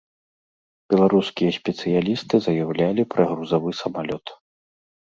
Беларускія спецыялісты заяўлялі пра грузавы самалёт.